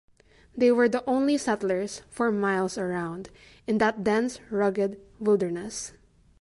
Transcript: They were the only settlers, for miles around, in that dense, rugged wilderness.